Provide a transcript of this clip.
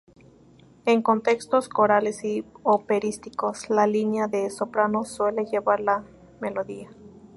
En contextos corales y operísticos, la línea de soprano suele llevar la melodía.